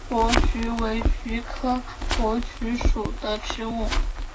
珀菊为菊科珀菊属的植物。